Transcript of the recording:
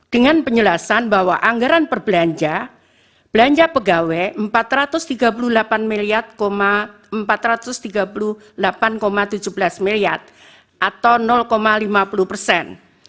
dengan penjelasan bahwa anggaran perbelanja belanja pegawai rp empat ratus tiga puluh delapan satu ratus tujuh puluh delapan atau lima puluh persen